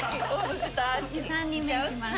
３人目いきます。